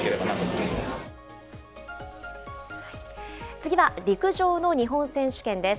次は陸上の日本選手権です。